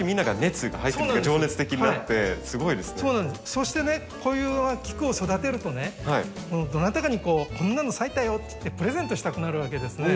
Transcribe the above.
そしてねこういう菊を育てるとねどなたかにこんなの咲いたよってプレゼントしたくなるわけですね。